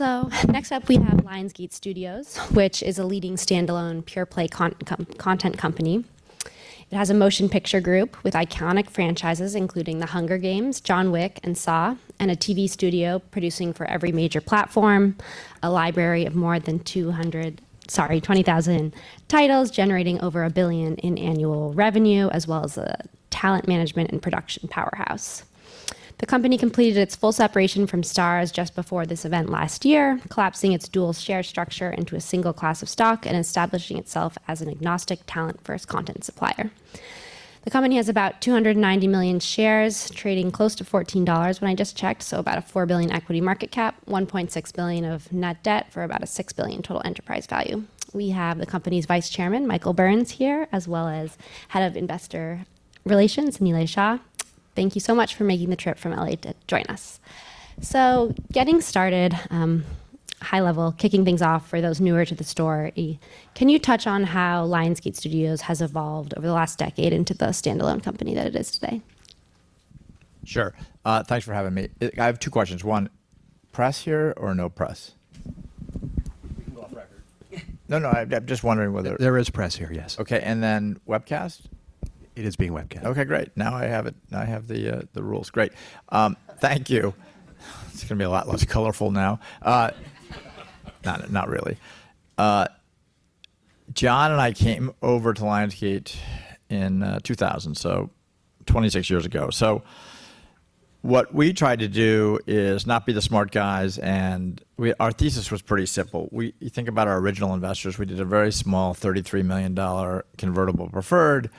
Next up we have Lionsgate Studios, which is a leading standalone pure-play content company. It has a motion picture group with iconic franchises including "The Hunger Games," "John Wick," and "Saw," and a TV studio producing for every major platform, a library of more than 20,000 titles generating over $1 billion in annual revenue, as well as a talent management and production powerhouse. The company completed its full separation from Starz just before this event last year, collapsing its dual share structure into a single class of stock and establishing itself as an agnostic talent-first content supplier. The company has about 290 million shares, trading close to $14 when I just checked, about a $4 billion equity market cap, $1.6 billion of net debt for about a $6 billion total enterprise value. We have the company's Vice Chairman, Michael Burns, here, as well as Head of Investor Relations, Nilay Shah. Thank you so much for making the trip from L.A. to join us. Getting started, high level, kicking things off for those newer to the story, can you touch on how Lionsgate Studios has evolved over the last decade into the standalone company that it is today? Sure. Thanks for having me. I have two questions. One, press here or no press? We can go off record. No, I'm just wondering. There is press here, yes. Okay. Then webcast? It is being webcast. Okay, great. Now I have the rules. Great. Thank you. It's going to be a lot less colorful now. Not really. Jon and I came over to Lionsgate in 2000, so 26 years ago. What we tried to do is not be the smart guys, and our thesis was pretty simple. You think about our original investors, we did a very small $33 million convertible preferred.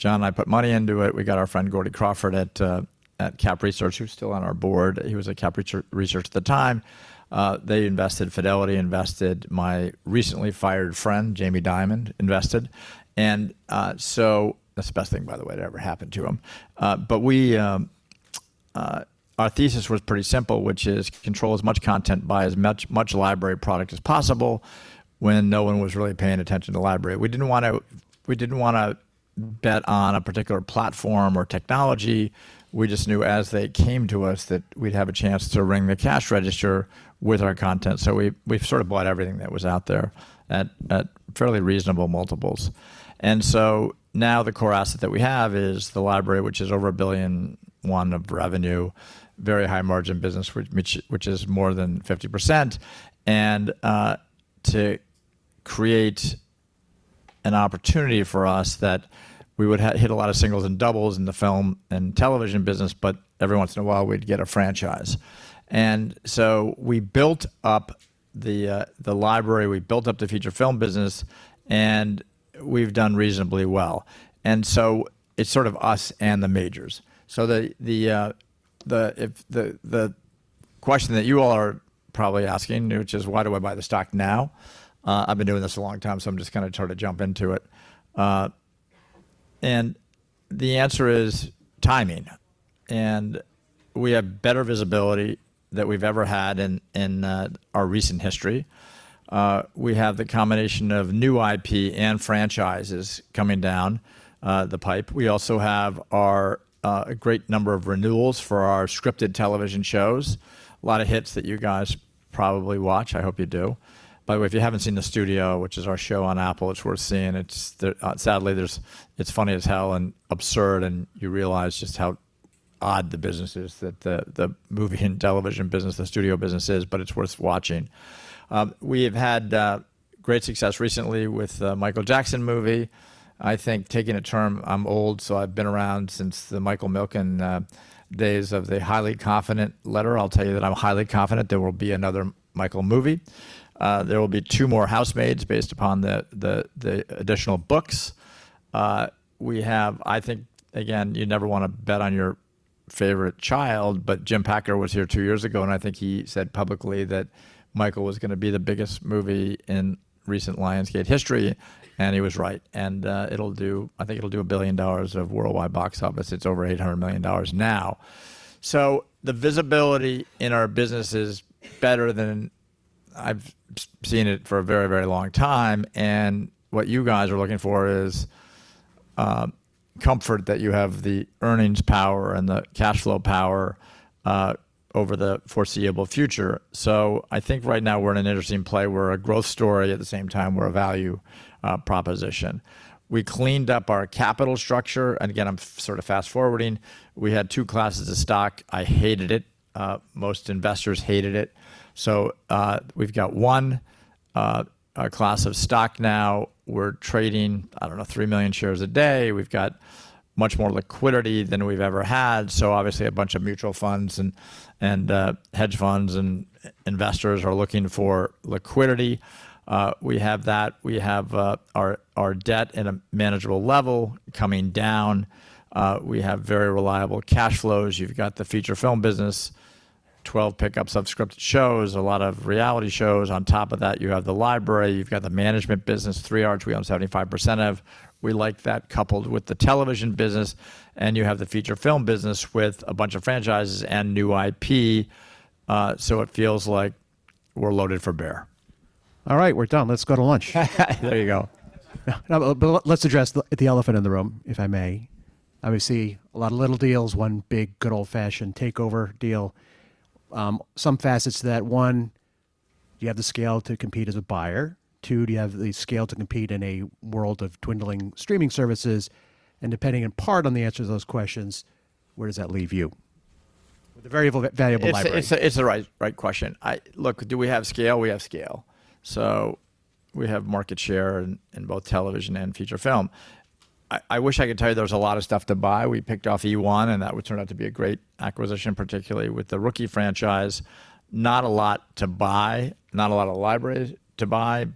Jon and I put money into it. We got our friend Gordy Crawford at Cap Research, who's still on our board. He was at Cap Research at the time. They invested, Fidelity invested, my recently fired friend Jamie Dimon invested. That's the best thing, by the way, that ever happened to him. Our thesis was pretty simple, which is control as much content, buy as much library product as possible when no one was really paying attention to library. We didn't want to bet on a particular platform or technology. We just knew as they came to us that we'd have a chance to ring the cash register with our content. We sort of bought everything that was out there at fairly reasonable multiples. Now the core asset that we have is the library, which is over $1.1 billion of revenue, very high margin business, which is more than 50%. To create an opportunity for us that we would hit a lot of singles and doubles in the film and television business, but every once in a while we'd get a franchise. We built up the library, we built up the feature film business, and we've done reasonably well. It's sort of us and the majors. The question that you all are probably asking, which is why do I buy the stock now? I've been doing this a long time, I'm just going to sort of jump into it. The answer is timing. We have better visibility that we've ever had in our recent history. We have the combination of new IP and franchises coming down the pipe. We also have a great number of renewals for our scripted television shows. A lot of hits that you guys probably watch. I hope you do. By the way, if you haven't seen "The Studio," which is our show on Apple, it's worth seeing. Sadly, it's funny as hell and absurd, you realize just how odd the business is, the movie and television business, the studio business is, it's worth watching. We have had great success recently with the Michael Jackson movie. I think taking a term, I'm old, so I've been around since the Michael Milken days of the highly confident letter. I'll tell you that I'm highly confident there will be another Michael movie. There will be two more "Housemaids" based upon the additional books. I think, again, you never want to bet on your favorite child. Jim Packer was here two years ago. I think he said publicly that Michael was going to be the biggest movie in recent Lionsgate history. He was right. I think it'll do $1 billion of worldwide box office. It's over $800 million now. The visibility in our business is better than I've seen it for a very, very long time. What you guys are looking for is comfort that you have the earnings power and the cash flow power over the foreseeable future. I think right now we're in an interesting play. We're a growth story. At the same time, we're a value proposition. We cleaned up our capital structure, again, I'm sort of fast-forwarding. We had two classes of stock. I hated it. Most investors hated it. We've got one class of stock now. We're trading, I don't know, three million shares a day. We've got much more liquidity than we've ever had, obviously a bunch of mutual funds and hedge funds and investors are looking for liquidity. We have that. We have our debt at a manageable level coming down. We have very reliable cash flows. You've got the feature film business, 12 pickups of scripted shows, a lot of reality shows. On top of that, you have the library. You've got the management business, 3 Arts, we own 75% of. We like that coupled with the television business, and you have the feature film business with a bunch of franchises and new IP. It feels like we're loaded for bear. All right, we're done. Let's go to lunch. There you go. Let's address the elephant in the room, if I may. Obviously, a lot of little deals, one big, good old-fashioned takeover deal. Some facets to that, one, do you have the scale to compete as a buyer? Two, do you have the scale to compete in a world of dwindling streaming services? Depending in part on the answer to those questions, where does that leave you with a very valuable library? It's the right question. Look, do we have scale? We have scale. We have market share in both television and feature film. I wish I could tell you there was a lot of stuff to buy. We picked off eOne, and that would turn out to be a great acquisition, particularly with The Rookie franchise. Not a lot to buy, not a lot of library to buy.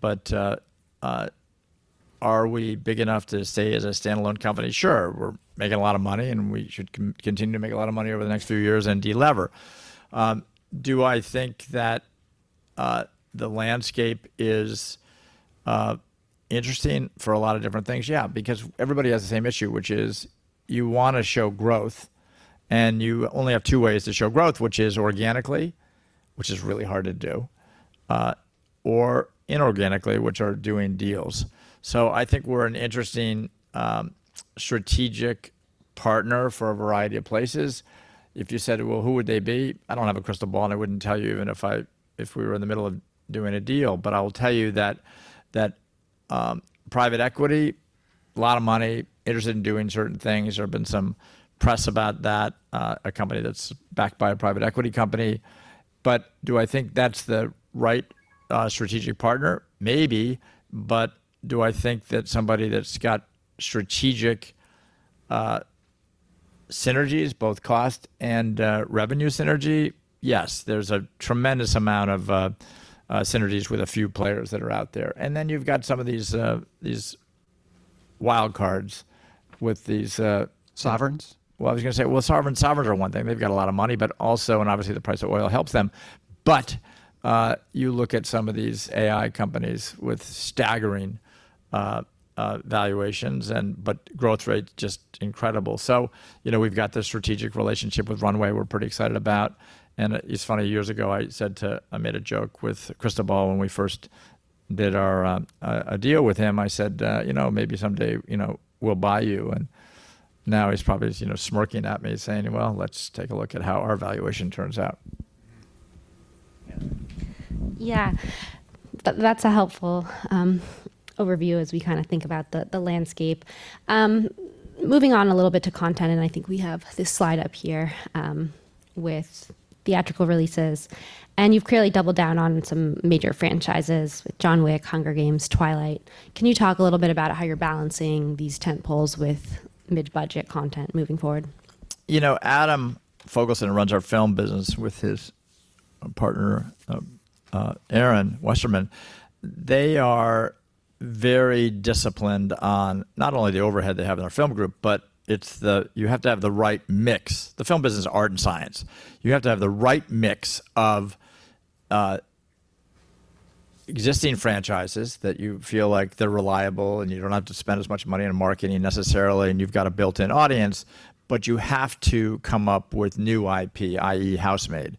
Are we big enough to stay as a standalone company? Sure. We're making a lot of money, and we should continue to make a lot of money over the next few years and de-lever. Do I think that the landscape is interesting for a lot of different things? Yeah, because everybody has the same issue, which is you want to show growth, and you only have two ways to show growth, which is organically, which is really hard to do, or inorganically, which are doing deals. I think we're an interesting strategic partner for a variety of places. If you said, "Well, who would they be?" I don't have a crystal ball, and I wouldn't tell you even if we were in the middle of doing a deal. I will tell you that private equity, a lot of money interested in doing certain things. There have been some press about that, a company that's backed by a private equity company. Do I think that's the right strategic partner? Maybe. Do I think that somebody that's got strategic synergies, both cost and revenue synergy? Yes. There's a tremendous amount of synergies with a few players that are out there. You've got some of these wild cards with these. Sovereigns? I was going to say, well, sovereigns are one thing. They've got a lot of money, but also, and obviously, the price of oil helps them. You look at some of these AI companies with staggering valuations, but growth rate just incredible. We've got this strategic relationship with Runway we're pretty excited about. It's funny, years ago, I made a joke with Cristóbal Valenzuela when we first did a deal with him. I said, "Maybe someday we'll buy you." Now he's probably smirking at me saying, "Well, let's take a look at how our valuation turns out. Yeah. That's a helpful overview as we kind of think about the landscape. Moving on a little bit to content, I think we have this slide up here with theatrical releases. You've clearly doubled down on some major franchises with John Wick, Hunger Games, Twilight. Can you talk a little bit about how you're balancing these tentpoles with mid-budget content moving forward? Adam Fogelson runs our film business with his partner, Erin Westerman. They are very disciplined on not only the overhead they have in our film group, but you have to have the right mix. The film business is art and science. You have to have the right mix of existing franchises that you feel like they're reliable, and you don't have to spend as much money on marketing necessarily, and you've got a built-in audience, but you have to come up with new IP, i.e., The Housemaid.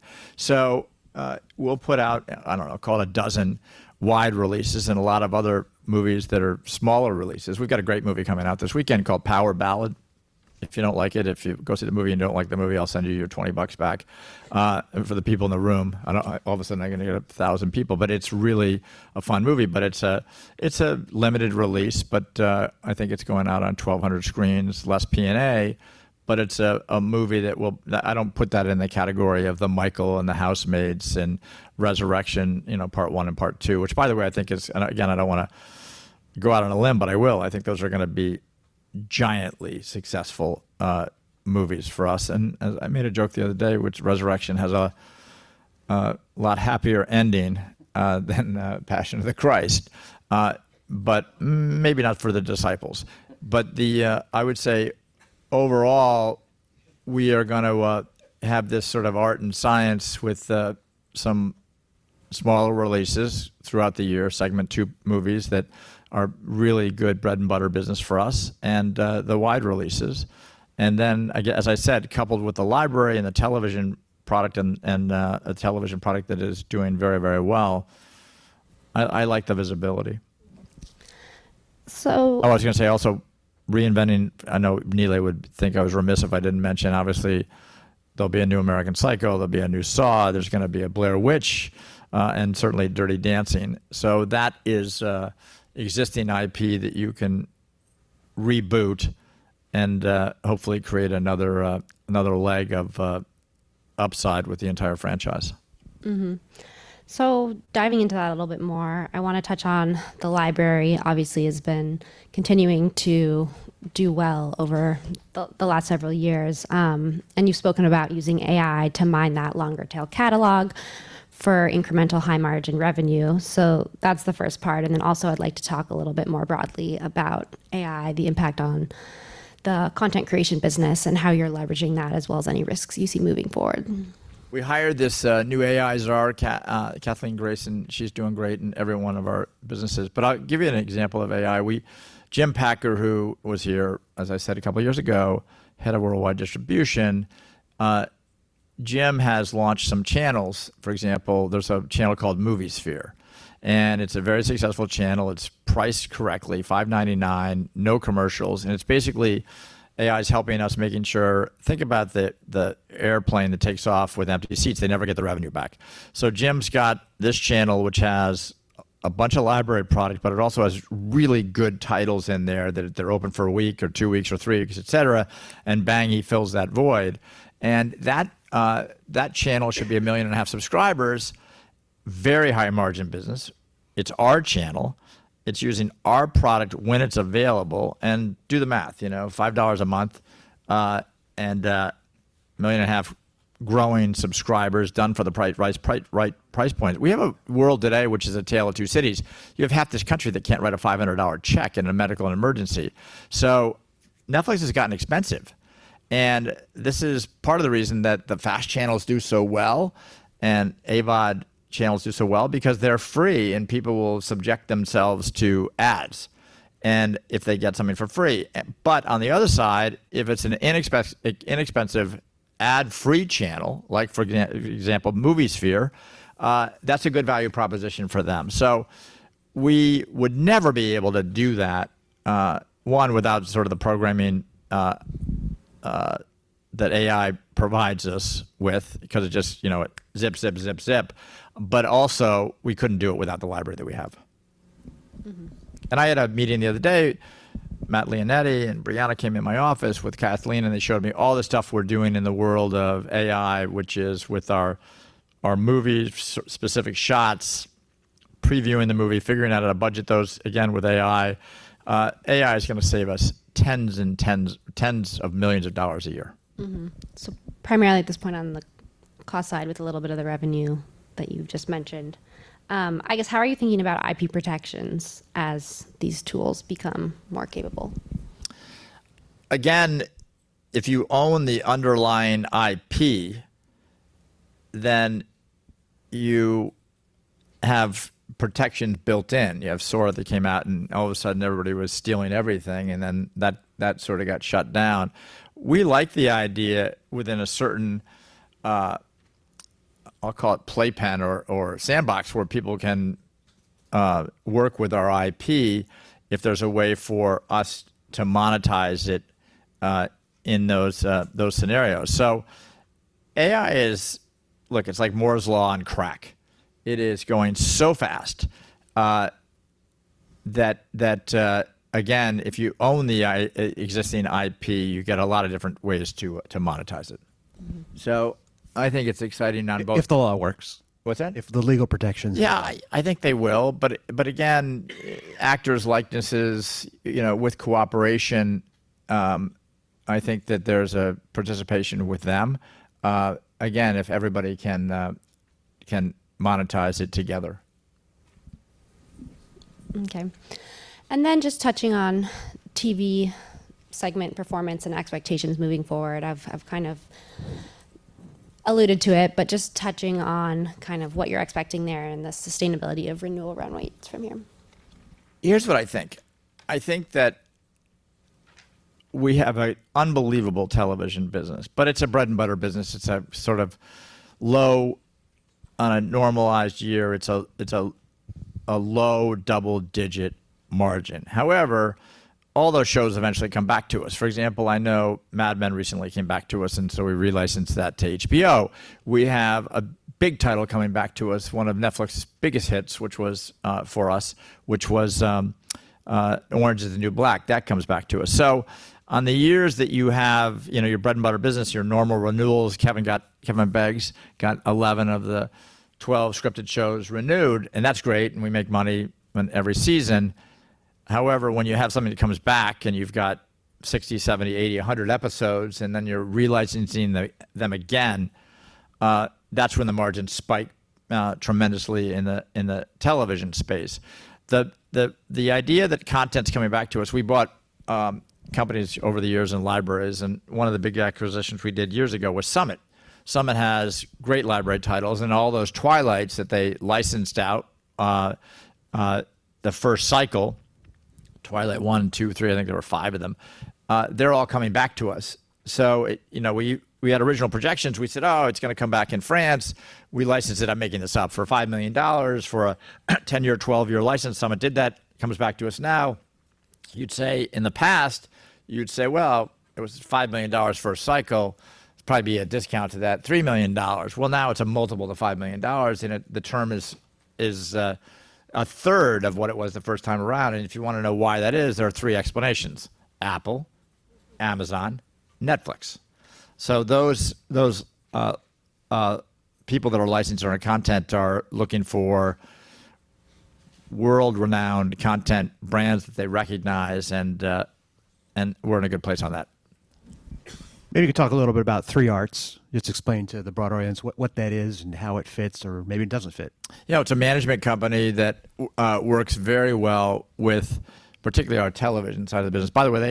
We'll put out, I don't know, call it a dozen wide releases and a lot of other movies that are smaller releases. We've got a great movie coming out this weekend called "Power Ballad." If you don't like it, if you go see the movie and don't like the movie, I'll send you your 20 bucks back. For the people in the room, all of a sudden, I'm going to get 1,000 people, but it's really a fun movie. It's a limited release, but I think it's going out on 1,200 screens, less P&A, but it's a movie that I don't put that in the category of the Michael and the Housemaids and Resurrection Part One and Part Two, which, by the way, I think is, and again, I don't want to go out on a limb, but I will. I think those are going to be gigantically successful movies for us. I made a joke the other day, which Resurrection has a lot happier ending than The Passion of the Christ. Maybe not for the disciples. I would say, overall, we are going to have this sort of art and science with some smaller releases throughout the year, segment two movies that are really good bread-and-butter business for us, and the wide releases. As I said, coupled with the library and the television product, and a television product that is doing very well. I like the visibility. So- I was going to say also reinventing. I know Nilay would think I was remiss if I didn't mention, obviously, there'll be a new "American Psycho," there'll be a new "Saw," there's going to be a "Blair Witch," and certainly "Dirty Dancing." That is existing IP that you can reboot and hopefully create another leg of upside with the entire franchise. Diving into that a little bit more, I want to touch on the library obviously has been continuing to do well over the last several years. You've spoken about using AI to mine that longer-tail catalog for incremental high-margin revenue. That's the first part, and then also I'd like to talk a little bit more broadly about AI, the impact on the content creation business, and how you're leveraging that, as well as any risks you see moving forward. We hired this new AI czar, Kathleen Grace, and she's doing great in every one of our businesses. I'll give you an example of AI. Jim Packer, who was here, as I said, a couple of years ago, head of Worldwide Television Distribution. Jim has launched some channels. For example, there's a channel called MovieSphere, and it's a very successful channel. It's priced correctly, $5.99, no commercials, and it's basically AI is helping us making sure. Think about the airplane that takes off with empty seats. They never get the revenue back. Jim's got this channel which has a bunch of library product, but it also has really good titles in there that they're open for a week or two weeks or three weeks, et cetera, and bang, he fills that void. That channel should be 1.5 million subscribers, very high margin business. It's our channel. It's using our product when it's available and do the math. $5 a month, 1.5 million growing subscribers done for the right price point. We have a world today which is a tale of two cities. You have half this country that can't write a $500 check in a medical emergency. Netflix has gotten expensive, and this is part of the reason that the FAST channels do so well, and AVOD channels do so well because they're free and people will subject themselves to ads and if they get something for free. On the other side, if it's an inexpensive ad-free channel, like for example, MovieSphere, that's a good value proposition for them. We would never be able to do that, one, without sort of the programming that AI provides us with. Also, we couldn't do it without the library that we have. I had a meeting the other day, Matt Leonetti and Brianna came in my office with Kathleen, and they showed me all the stuff we're doing in the world of AI, which is with our movie-specific shots, previewing the movie, figuring out how to budget those, again, with AI. AI is going to save us tens of millions of dollars a year. Primarily at this point on the cost side with a little bit of the revenue that you've just mentioned. I guess, how are you thinking about IP protections as these tools become more capable? Again, if you own the underlying IP, then you have protection built in. You have Sora that came out and all of a sudden everybody was stealing everything, and then that sort of got shut down. We like the idea within a certain, I'll call it playpen or sandbox, where people can work with our IP if there's a way for us to monetize it in those scenarios. AI is Look, it's like Moore's law on crack. It is going so fast, that again, if you own the existing IP, you get a lot of different ways to monetize it. I think it's exciting on both. If the law works. What's that? If the legal protections works. Yeah, I think they will. Again, actors' likenesses, with cooperation, I think that there's a participation with them. Again, if everybody can monetize it together. Okay. Just touching on TV segment performance and expectations moving forward. I've kind of alluded to it, but just touching on kind of what you're expecting there and the sustainability of renewal runways from here. Here's what I think. I think that we have an unbelievable television business, but it's a bread and butter business. It's a sort of low on a normalized year. It's a low double-digit margin. All those shows eventually come back to us. For example, I know "Mad Men" recently came back to us. We re-licensed that to HBO. We have a big title coming back to us, one of Netflix's biggest hits, for us, which was "Orange Is the New Black." That comes back to us. On the years that you have your bread and butter business, your normal renewals, Kevin Beggs got 11 of the 12 scripted shows renewed, and that's great, and we make money every season. However, when you have something that comes back and you've got 60, 70, 80, 100 episodes, and then you're re-licensing them again, that's when the margins spike tremendously in the television space. The idea that content's coming back to us, we bought companies over the years and libraries, and one of the big acquisitions we did years ago was Summit. Summit has great library titles and all those Twilights that they licensed out, the first cycle, Twilight one, two, three, I think there were five of them. They're all coming back to us. We had original projections. We said, "Oh, it's going to come back in France." We licensed it, I'm making this up, for $5 million for a 10-year, 12-year license. Summit did that. Comes back to us now. In the past, you'd say, well, it was $5 million for a cycle. It'd probably be a discount to that, $3 million. Well, now it's a multiple to $5 million, and the term is a third of what it was the first time around. If you want to know why that is, there are three explanations, Apple, Amazon, Netflix. Those people that are licensing our content are looking for world-renowned content brands that they recognize, and we're in a good place on that. Maybe you could talk a little bit about 3 Arts. Just explain to the broad audience what that is and how it fits or maybe it doesn't fit. Yeah. It's a management company that works very well with particularly our television side of the business. By the way,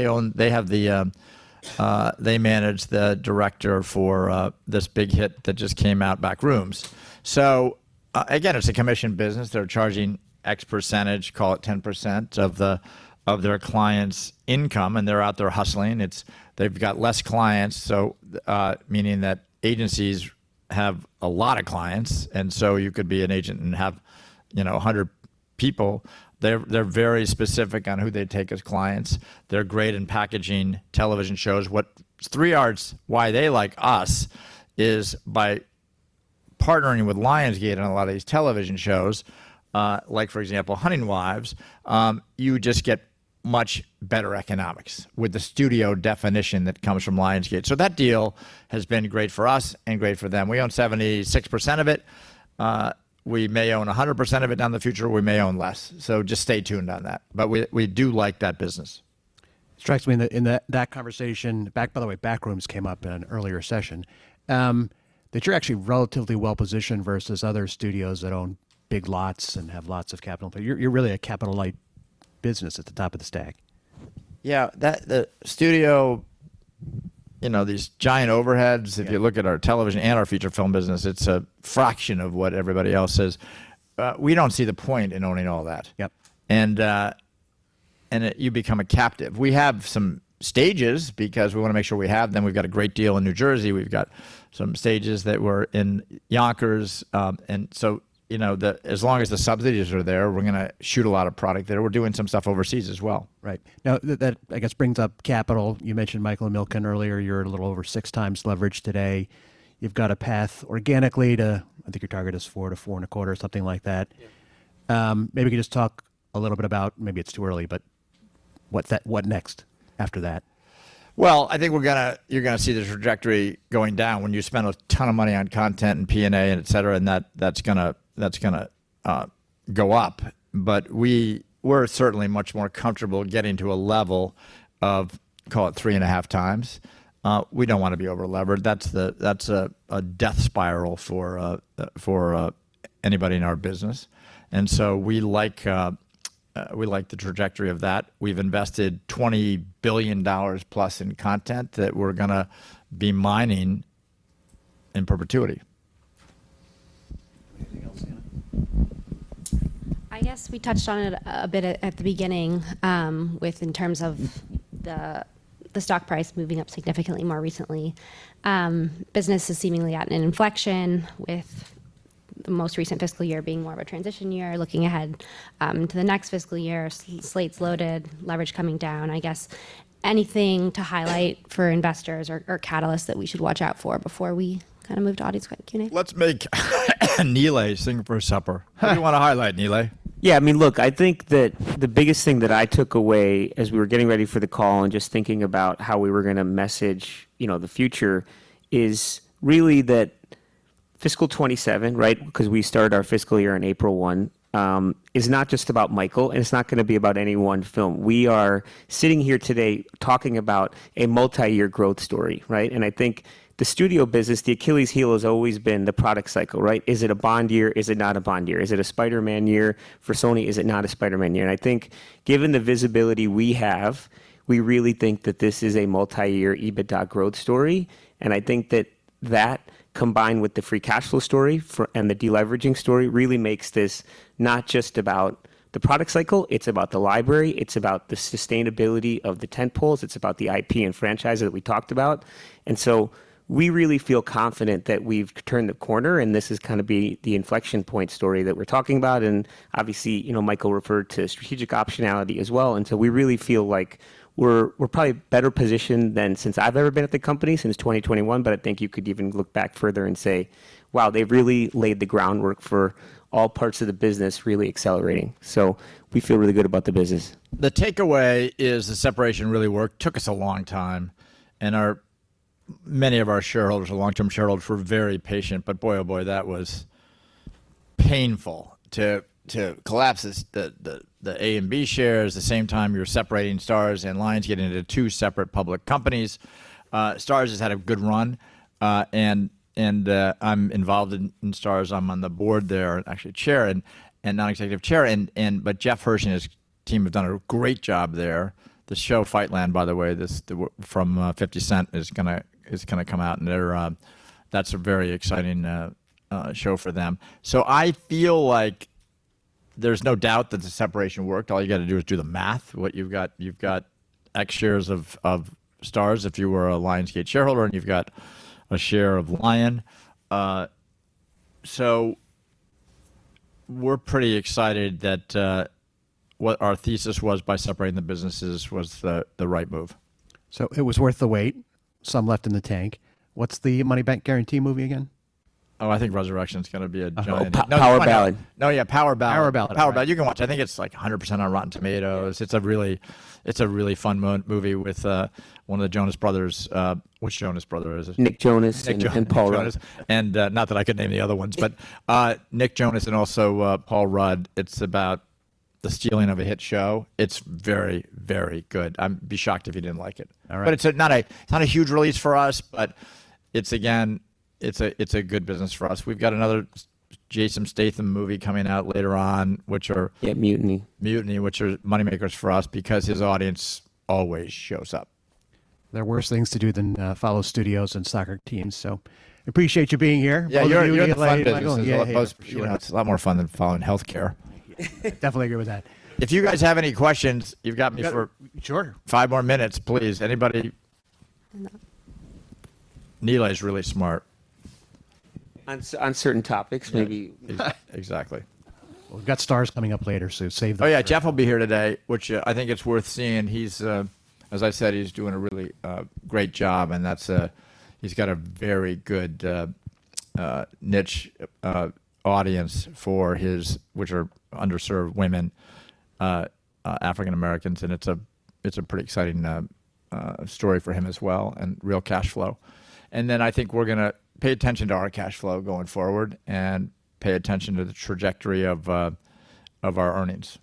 they manage the director for this big hit that just came out, Backrooms. Again, it's a commission business. They're charging X percentage, call it 10%, of their client's income, and they're out there hustling. They've got less clients, so meaning that agencies have a lot of clients, you could be an agent and have 100 people. They're very specific on who they take as clients. They're great in packaging television shows. 3 Arts, why they like us is by partnering with Lionsgate on a lot of these television shows, like, for example, Hunting Wives, you just get much better economics with the studio definition that comes from Lionsgate. That deal has been great for us and great for them. We own 76% of it. We may own 100% of it down in the future, we may own less. Just stay tuned on that. We do like that business. It strikes me in that conversation, by the way, Backrooms came up in an earlier session, that you're actually relatively well-positioned versus other studios that own big lots and have lots of capital. You're really a capital-light business at the top of the stack. Yeah. The studio, these giant overheads- Yeah If you look at our television and our feature film business, it's a fraction of what everybody else's. We don't see the point in owning all that. Yep. You become a captive. We have some stages because we want to make sure we have them. We've got a great deal in New Jersey. We've got some stages that were in Yonkers. As long as the subsidies are there, we're going to shoot a lot of product there. We're doing some stuff overseas as well. Right. Now, that, I guess, brings up capital. You mentioned Michael and Milken earlier. You're a little over six times leverage today. You've got a path organically to, I think your target is four to four and a quarter, something like that. Yeah. Maybe you could just talk a little bit about, maybe it's too early, but what next after that? Well, I think you're going to see the trajectory going down when you spend a ton of money on content and P&A and et cetera, and that's going to go up. We're certainly much more comfortable getting to a level of, call it three and a half times. We don't want to be over-levered. That's a death spiral for anybody in our business. We like the trajectory of that. We've invested $20 billion+ in content that we're going to be mining in perpetuity. Anything else to add? I guess we touched on it a bit at the beginning, with in terms of the stock price moving up significantly more recently. Business is seemingly at an inflection with the most recent fiscal year being more of a transition year. Looking ahead to the next fiscal year, slate's loaded, leverage coming down. I guess anything to highlight for investors or catalysts that we should watch out for before we move to audience Q&A? Let's make Nilay sing for his supper. What do you want to highlight, Nilay? Yeah, look, I think that the biggest thing that I took away as we were getting ready for the call and just thinking about how we were going to message the future is really that fiscal 2027, right? Because we started our fiscal year on April 1, is not just about Michael, and it is not going to be about any one film. We are sitting here today talking about a multi-year growth story, right? I think the studio business, the Achilles heel has always been the product cycle, right? Is it a Bond year? Is it not a Bond year? Is it a "Spider-Man" year for Sony? Is it not a "Spider-Man" year? I think given the visibility we have, we really think that this is a multi-year EBITDA growth story. I think that that, combined with the free cash flow story and the de-leveraging story, really makes this not just about the product cycle, it's about the library, it's about the sustainability of the tent poles, it's about the IP and franchise that we talked about. We really feel confident that we've turned the corner, and this is going to be the inflection point story that we're talking about. Obviously, Michael referred to strategic optionality as well. We really feel like we're probably better positioned than since I've ever been at the company, since 2021. I think you could even look back further and say, "Wow, they've really laid the groundwork for all parts of the business really accelerating." We feel really good about the business. The takeaway is the separation really worked. Took us a long time, many of our shareholders, our long-term shareholders, were very patient, boy, oh boy, that was painful to collapse the A and B shares the same time you're separating Starz and Lionsgate into two separate public companies. Starz has had a good run, I'm involved in Starz. I'm on the board there, actually chair, non-executive chair. Jeffrey Hirsch and his team have done a great job there. The show "Fightland," by the way, from 50 Cent is going to come out, that's a very exciting show for them. I feel like there's no doubt that the separation worked. All you got to do is do the math. What you've got, you've got X shares of Starz if you were a Lionsgate shareholder, you've got a share of Lion. We're pretty excited that what our thesis was by separating the businesses was the right move. It was worth the wait, some left in the tank. What's the Money Bank Guarantee movie again? I think Resurrection is going to be a giant. Oh, no, "Power Ballad. No, yeah, "Power Ballad. Power Ballad. Power Ballad," you can watch it. I think it's 100% on Rotten Tomatoes. It's a really fun movie with one of the Jonas Brothers. Which Jonas Brother is it? Nick Jonas and Paul Rudd. Nick Jonas. Not that I could name the other ones, but Nick Jonas and also Paul Rudd. It's about the stealing of a hit show. It's very, very good. I'd be shocked if you didn't like it. All right. It's not a huge release for us, but again, it's a good business for us. We've got another Jason Statham movie coming out later on. Yeah, "Mutiny". Mutiny," which are money makers for us because his audience always shows up. There are worse things to do than follow studios and soccer teams. Appreciate you being here. Yeah, you're in a fun business. Yeah. You know? It's a lot more fun than following healthcare. Definitely agree with that. If you guys have any questions, you've got me for- Sure Five more minutes. Please, anybody. No. Nilay's really smart. On certain topics maybe. Yeah. Exactly. Well, we've got Starz coming up later. Oh yeah, Jeff will be here today, which I think it's worth seeing. As I said, he's doing a really great job and he's got a very good niche audience for his which are underserved women, African Americans, and it's a pretty exciting story for him as well, and real cashflow. I think we're going to pay attention to our cashflow going forward, and pay attention to the trajectory of our earnings.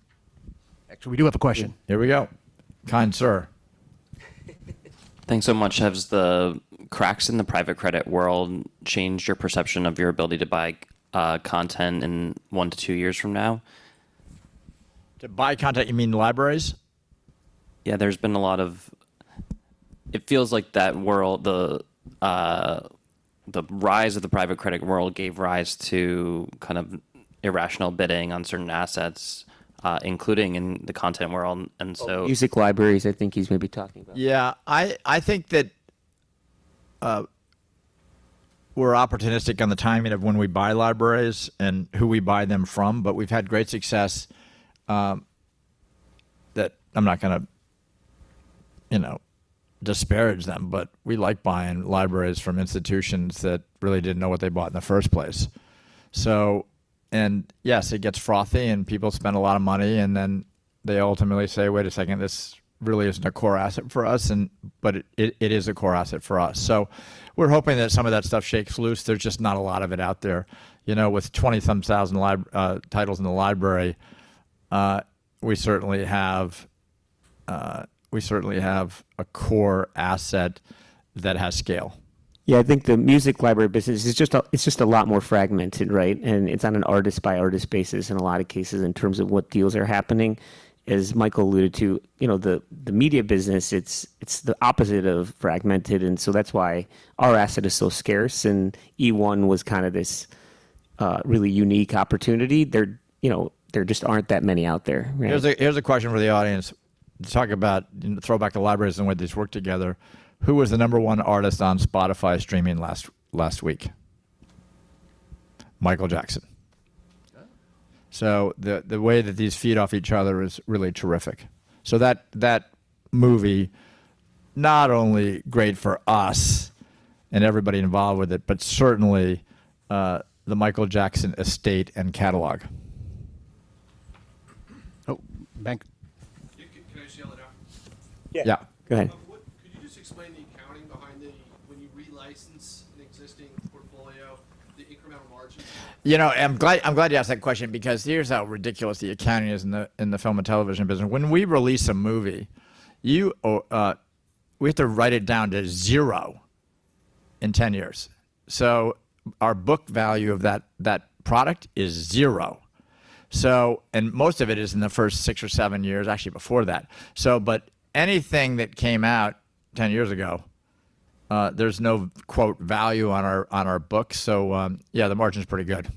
Actually, we do have a question. Here we go. Kind sir. Thanks so much. Have the cracks in the private credit world changed your perception of your ability to buy content in one to two years from now? To buy content, you mean libraries? Yeah. It feels like the rise of the private credit world gave rise to kind of irrational bidding on certain assets, including in the content world. Music libraries, I think he's maybe talking about. I think that we're opportunistic on the timing of when we buy libraries and who we buy them from. We've had great success, that I'm not going to disparage them, but we like buying libraries from institutions that really didn't know what they bought in the first place. Yes, it gets frothy and people spend a lot of money and then they ultimately say, "Wait a second, this really isn't a core asset for us." It is a core asset for us. We're hoping that some of that stuff shakes loose. There's just not a lot of it out there. With 20-some thousand titles in the library, we certainly have a core asset that has scale. Yeah. I think the music library business, it's just a lot more fragmented, right? It's on an artist by artist basis in a lot of cases in terms of what deals are happening. As Michael alluded to, the media business, it's the opposite of fragmented. That's why our asset is so scarce, and eOne was kind of this really unique opportunity. There just aren't that many out there, right? Here's a question for the audience. Let's throw it back to libraries and the way these work together. Who was the number one artist on Spotify streaming last week? Michael Jackson. Okay. The way that these feed off each other is really terrific. That movie, not only great for us and everybody involved with it, but certainly the Michael Jackson estate and catalog. Oh, bank. Can I shout it out? Yeah. Yeah, go ahead. Could you just explain the accounting behind when you relicense an existing portfolio, the incremental margins on that? I'm glad you asked that question because here's how ridiculous the accounting is in the film and television business. When we release a movie, we have to write it down to zero in 10 years. Our book value of that product is zero. Most of it is in the first six or seven years, actually, before that. Anything that came out 10 years ago, there's no "value" on our books. Yeah, the margin's pretty good.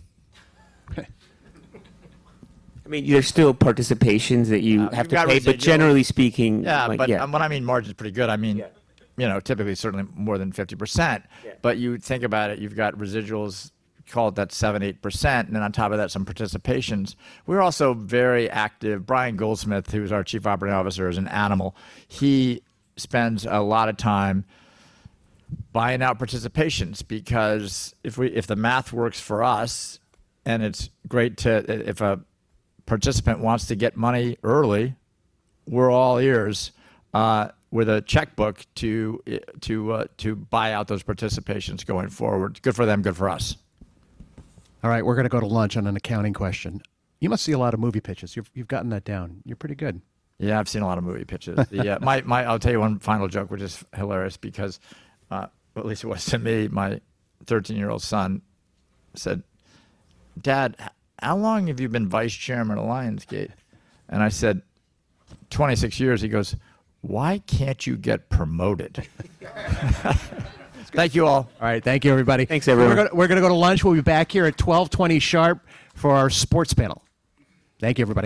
I mean, there's still participations that you have to pay- You've got residuals. Generally speaking. Yeah Yeah. When I mean margin's pretty good. Yeah Typically certainly more than 50%. Yeah. You think about it, you've got residuals, call it that 7%, 8%, and then on top of that, some participations. We're also very active. Brian Goldsmith, who's our Chief Operating Officer, is an animal. He spends a lot of time buying out participations because if the math works for us, and it's great if a participant wants to get money early, we're all ears with a checkbook to buy out those participations going forward. Good for them, good for us. All right. We're going to go to lunch on an accounting question. You must see a lot of movie pitches. You've gotten that down. You're pretty good. Yeah, I've seen a lot of movie pitches. Yeah. I'll tell you one final joke, which is hilarious because, at least it was to me. My 13-year-old son said, "Dad, how long have you been Vice Chairman of Lionsgate?" I said, "26 years." He goes, "Why can't you get promoted? Thank you all. All right. Thank you, everybody. Thanks everyone. We're going to go to lunch. We'll be back here at 12:20 P.M sharp for our sports panel. Thank you everybody.